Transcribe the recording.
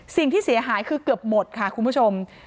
สิ่งที่เสียหายคือเกือบหมดค่ะคุณผู้ชม